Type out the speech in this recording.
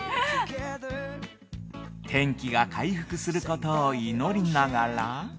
◆天気が回復することを祈りながら。